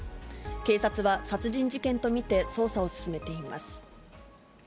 警察は、殺人事件と見て捜査を進めています。